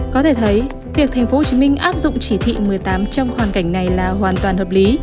có thể thấy việc thành phố hồ chí minh áp dụng chỉ thị một mươi tám trong hoàn cảnh này là hoàn toàn hợp lý